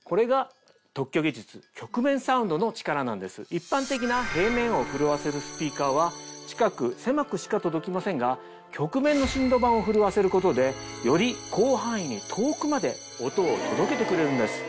一般的な平面を震わせるスピーカーは近く狭くしか届きませんが曲面の振動板を震わせることでより広範囲に遠くまで音を届けてくれるんです。